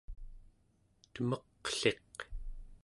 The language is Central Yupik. temeqliq